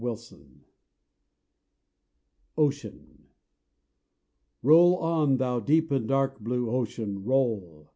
Emerson OCEAN Roll on, thou deep and dark blue Ocean roll!